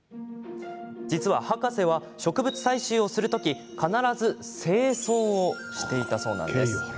実は、博士は植物採集をする時必ず正装していたそうなんです。